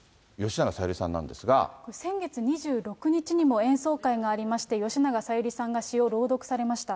先月２６日にも演奏会がありまして、吉永小百合さんが詩を朗読されました。